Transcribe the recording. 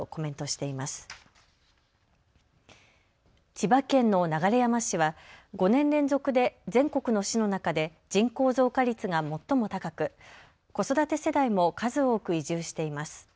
千葉県の流山市は５年連続で全国の市の中で人口増加率が最も高く子育て世代も数多く移住しています。